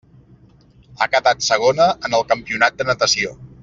Ha quedat segona en el campionat de natació.